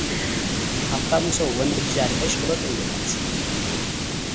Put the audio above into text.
ሃብታሙም ሰው “ወንድ ልጅ አለሽ?” ብሎ ጠየቃት፡፡